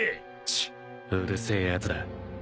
［チッうるせえやつだ］